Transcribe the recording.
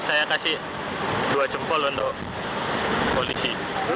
saya kasih dua jempol untuk polisi